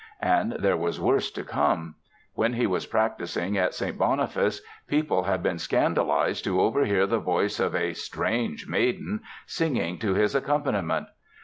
And there was worse to come: when he was practicing at St. Boniface, people had been scandalized to overhear the voice of a "strange maiden," singing to his accompaniment!